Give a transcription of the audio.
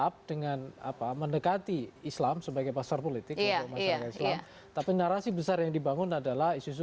mengikati islam sebagai pasar politik ya iya tapi narasi besar yang dibangun adalah isu isu